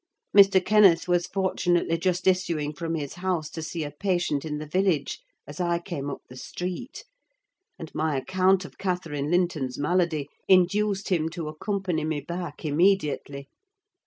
Mr. Kenneth was fortunately just issuing from his house to see a patient in the village as I came up the street; and my account of Catherine Linton's malady induced him to accompany me back immediately.